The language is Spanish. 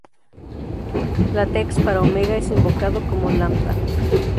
LaTeX para Omega es invocado como "lambda".